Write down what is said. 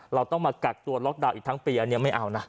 เราต้องมากักตัวล็อกดาวน์อีกทั้งปีอันนี้ไม่เอานะ